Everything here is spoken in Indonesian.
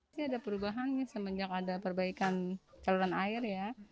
ini ada perubahan semenjak ada perbaikan saluran air ya